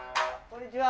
こんにちは。